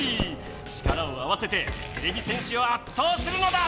力を合わせててれび戦士をあっとうするのだ！